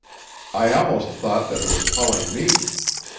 I almost thought that it was calling me.